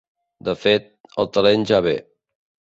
De fet, el talent ja ve.